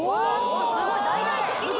すごい、大々的に。